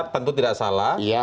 tentu tidak salah